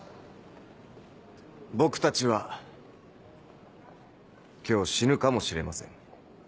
僕たちは今日死ぬかもしれません。